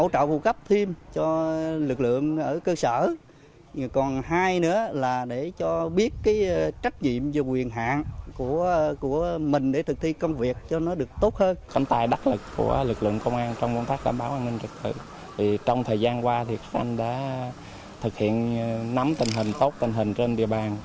trong thời gian qua các anh đã thực hiện nắm tình hình tốt tình hình trên địa bàn